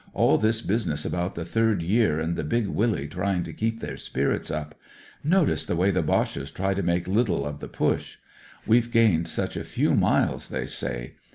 All this business about the third year, and Big Willie trying to keep their spirits up. Notice the way the Boches try to make httle of the Push. We've gained such a few miles, they say.